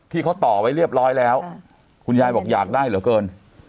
ที่เขาต่อไว้เรียบร้อยแล้วคุณยายบอกอยากได้เหลือเกิน